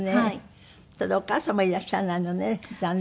ただお母様いらっしゃらないのね残念。